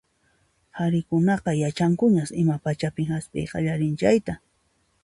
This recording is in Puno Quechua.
Qharikunaqa yachankuñas ima pachapin hasp'iy qallarin chayta.